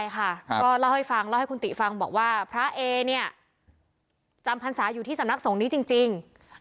ก็เล่าให้ฟังเล่าให้คุณติฟังบอกว่าพระเอเนี่ยจำพรรษาอยู่ที่สำนักสงฆ์นี้จริง